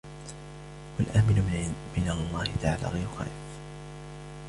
وَالْآمِنُ مِنْ اللَّهِ تَعَالَى غَيْرُ خَائِفٍ